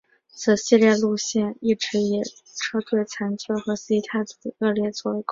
此系列路线一直以车队残旧和司机态度恶劣作为垢病。